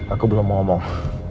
aku belum mau ngomong